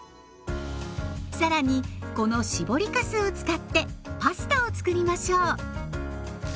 更にこの搾りかすを使ってパスタをつくりましょう。